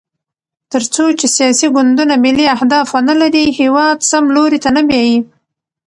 تر څو چې سیاسي ګوندونه ملي اهداف ونلري، هېواد سم لوري ته نه بیايي.